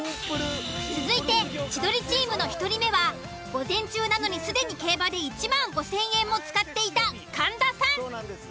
続いて千鳥チームの１人目は午前中なのに既に競馬で１万５，０００円も使っていた神田さん。